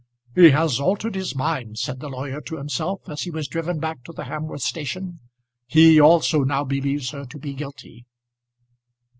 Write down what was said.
"He has altered his mind," said the lawyer to himself as he was driven back to the Hamworth station. "He also now believes her to be guilty."